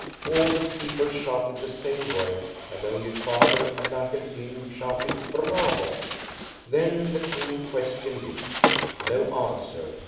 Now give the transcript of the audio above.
All the people shouted the same word, and only Father and Uncle Jim shouted "Bravo!" Then the King questioned Dick. No answer.